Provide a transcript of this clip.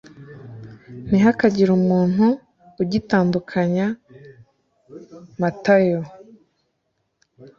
ntihakagire umuntu ugitandukanya Matayo